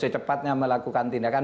secepatnya melakukan tindakan